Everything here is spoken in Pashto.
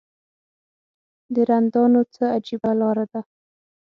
د رندانو څه عجیبه لاره ده.